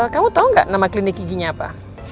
kamu tau gak nama klinik giginya apa